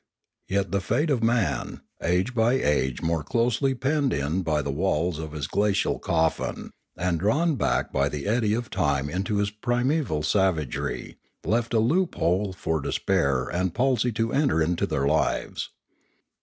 Yet the fate of man, age by age more closely penned in by the walls of his glacial coffin, and drawn back by the eddy of time into his primeval savagery, left a loophole for despair and palsy to enter into their lives.